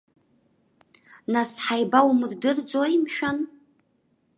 Нас ҳаибаумырдырӡои, мшәан?